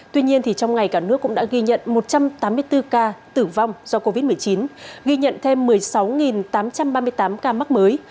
tuy nhiên trong ngày cả nước cũng đã ghi nhận một trăm tám mươi bốn ca tử vong do covid một mươi chín ghi nhận thêm một mươi sáu tám trăm ba mươi tám ca mắc mới